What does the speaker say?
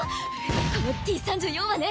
このＴ３４はね